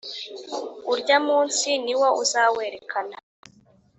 Urya munsi ni wo uzawerekana,